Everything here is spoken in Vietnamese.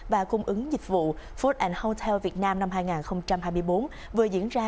và cung ứng dịch vụ food hotel việt nam năm hai nghìn hai mươi bốn vừa diễn ra